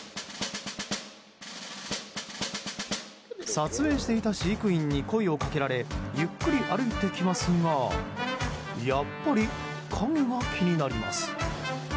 撮影していた飼育員に声を掛けられゆっくり歩いてきますがやっぱり影が気になります。